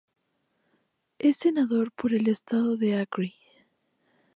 Es senador por el estado de Acre.